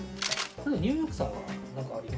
ニューヨークさんはなんかあります？